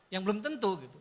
yang belum tentu gitu